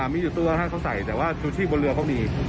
มีอยู่ตัวให้เขาใส่แต่ว่าชูชีพบนเรือเขามี